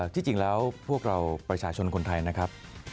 ที่จริงแล้วพวกเราประชาชนคนไทยนะครับ